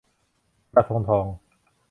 กระทงทอง